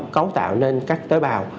cấu tạo nên các tế bào